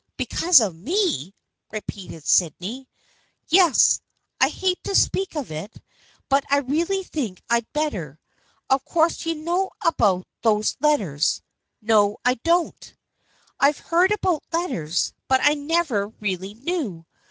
" Because of me ?" repeated Sydney. " Yes, I hate to speak of it, but really I think I'd better. Of course you know about those let ters?" " No, I don't. I've heard about letters, but I never really knew.